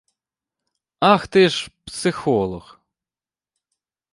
Ах ти ж, психолог!